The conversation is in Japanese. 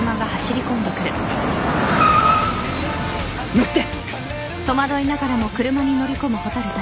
・乗って！